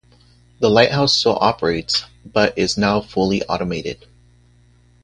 The lighthouse still operates, but is now fully automated.